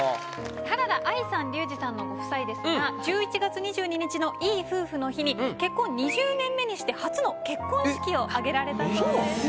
原田愛さん龍二さんのご夫妻ですが１１月２２日のいい夫婦の日に結婚２０年目にして初の結婚式を挙げられたそうです。